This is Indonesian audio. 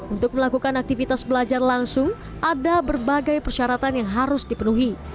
untuk melakukan aktivitas belajar langsung ada berbagai persyaratan yang harus dipenuhi